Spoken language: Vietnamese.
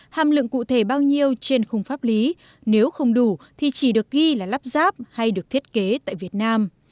hàm lượng cụ thể bao nhiêu trên khung pháp lý nếu không đủ thì chỉ được ghi là lắp ráp hay được thiết kế tại việt nam